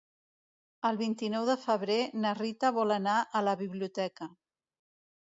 El vint-i-nou de febrer na Rita vol anar a la biblioteca.